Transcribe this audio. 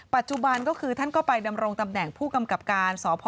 ปัจจุบันก็คือท่านก็ไปดำรงตำแหน่งผู้กำกับการสพ